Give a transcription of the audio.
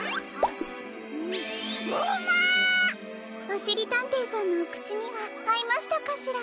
おしりたんていさんのおくちにはあいましたかしら？